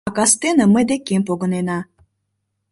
А кастене мый декем погынена.